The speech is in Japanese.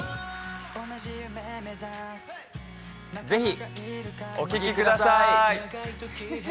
ぜひ、お聞きください！